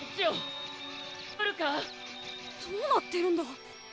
どうなってるんだ？